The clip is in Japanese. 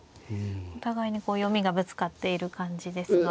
お互いに読みがぶつかっている感じですが。